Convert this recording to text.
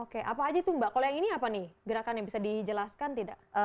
oke apa aja tuh mbak kalau yang ini apa nih gerakan yang bisa dijelaskan tidak